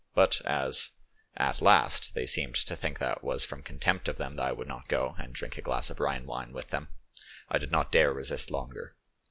But as, at last, they seemed to think that it was from contempt of them that I would not go and drink a glass of Rhine wine with them, I did not dare resist longer.